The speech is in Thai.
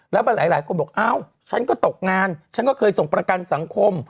แล้วหลายคนบอกอ้าวฉันก็ตกงานฉันก็เคยส่งประกันสังคม